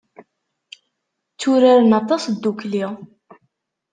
Tturaren aṭas ddukkli.